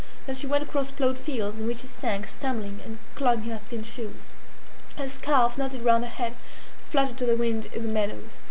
Then she went across ploughed fields, in which she sank, stumbling; and clogging her thin shoes. Her scarf, knotted round her head, fluttered to the wind in the meadows.